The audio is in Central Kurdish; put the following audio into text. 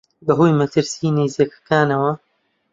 بە هۆی مەترسیی نەیزەکەکانەوە